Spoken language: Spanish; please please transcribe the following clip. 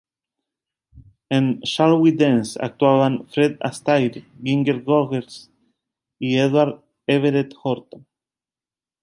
En 'Shall We Dance" actuaban Fred Astaire, Ginger Rogers, y Edward Everett Horton.